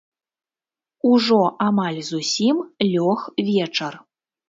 Ужо амаль зусім лёг вечар.